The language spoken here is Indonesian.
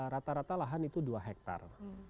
rata rata lahan itu dua hektare